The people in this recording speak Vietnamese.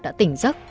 đã tỉnh giấc